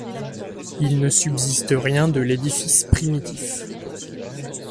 Il ne subsiste rien de l'édifice primitif.